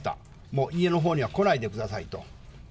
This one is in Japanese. もう家のほうには来ないでくださいと。